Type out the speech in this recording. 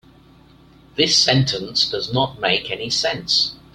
This sentence does not make any sense.